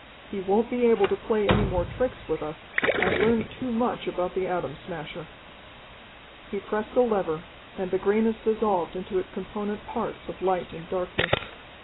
He won't be able to play any more tricks with us. I've learned too much about the Atom Smasher." He pressed a lever, and the greyness dissolved into its component parts of light and darkness.